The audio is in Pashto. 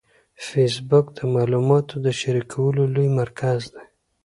فېسبوک د معلوماتو د شریکولو لوی مرکز دی